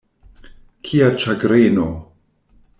Kia ĉagreno!